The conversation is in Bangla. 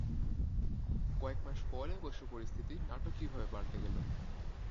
কয়েক মাস পরে অবশ্য পরিস্থিতি নাটকীয়ভাবে পাল্টে গেল।